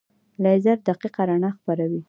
لیزر دقیقه رڼا خپروي.